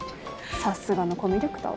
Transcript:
さすがのコミュ力だわ。